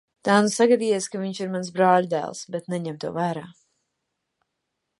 Tā nu sagadījies, ka viņš ir mans brāļadēls, bet neņem to vērā.